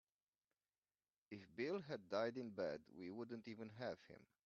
If Bill had died in bed we wouldn't even have him.